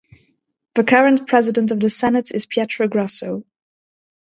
The current President of the Senate is Pietro Grasso.